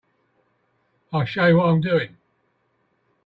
I'll show you what I'm doing.